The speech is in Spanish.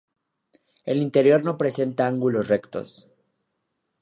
El interior no presenta ángulos rectos.